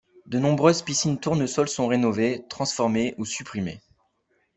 De nombreuses piscines Tournesol sont rénovées, transformées ou supprimées.